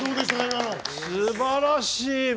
すばらしい。